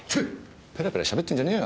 ペラペラしゃべってんじゃねえよ。